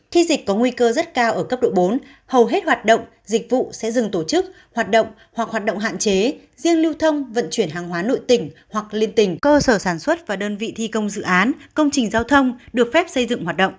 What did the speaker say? khi dịch có nguy cơ rất cao ở cấp độ bốn hầu hết hoạt động dịch vụ sẽ dừng tổ chức hoạt động hoặc hoạt động hạn chế riêng lưu thông vận chuyển hàng hóa nội tỉnh hoặc liên tỉnh cơ sở sản xuất và đơn vị thi công dự án công trình giao thông được phép xây dựng hoạt động